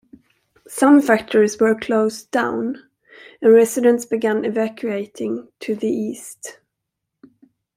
Some factories were closed down, and residents began evacuating to the east.